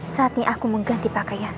saatnya aku mengganti pembantuan